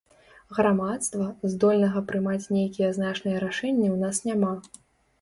Грамадства, здольнага прымаць нейкія значныя рашэнні ў нас няма.